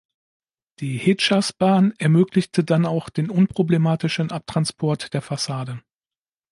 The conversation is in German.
Die Hedschasbahn ermöglichte dann auch den unproblematischen Abtransport der Fassade.